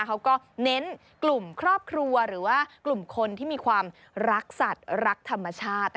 เขาก็เน้นกลุ่มครอบครัวหรือว่ากลุ่มคนที่มีความรักสัตว์รักธรรมชาติ